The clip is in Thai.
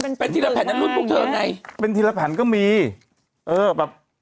เป็นเป็นทีละแผ่นนั้นรุ่นพวกเธอไงเป็นทีละแผ่นก็มีเออแบบ